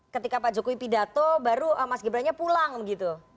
ketika pak jokowi pidato baru mas gibran nya pulang gitu